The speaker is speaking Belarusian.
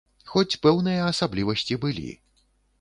Хоць пэўныя асаблівасці былі.